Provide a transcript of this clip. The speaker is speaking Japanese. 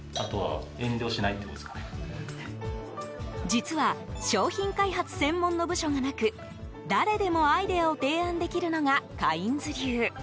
実は商品開発専門の部署がなく誰でもアイデアを提案できるのがカインズ流。